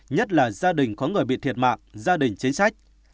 nhất là gia đình có người bị thiệt mạng gia đình chính sách